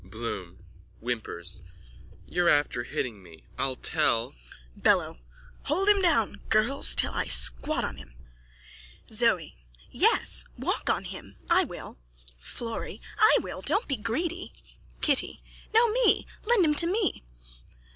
_ BLOOM: (Whimpers.) You're after hitting me. I'll tell... BELLO: Hold him down, girls, till I squat on him. ZOE: Yes. Walk on him! I will. FLORRY: I will. Don't be greedy. KITTY: No, me. Lend him to me.